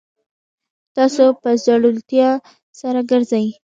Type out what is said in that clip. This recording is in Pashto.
تاسو په زړورتیا سره ګرځئ